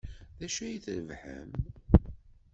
D acu ay d-trebḥem?